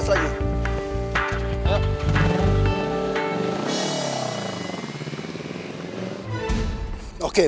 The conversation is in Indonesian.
asal lo berdua tau